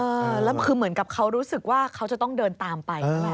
เออแล้วคือเหมือนกับเขารู้สึกว่าเขาจะต้องเดินตามไปใช่ไหม